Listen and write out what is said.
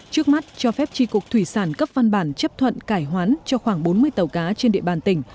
trước mắt cho phép tri cục thủy sản cấp văn bản chấp thuận cải hoán cho khoảng bốn mươi tàu cá trên địa bàn tỉnh